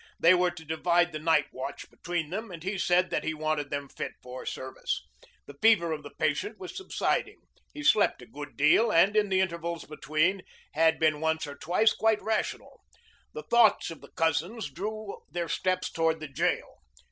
They were to divide the night watch between them and he said that he wanted them fit for service. The fever of the patient was subsiding. He slept a good deal, and in the intervals between had been once or twice quite rational. The thoughts of the cousins drew their steps toward the jail.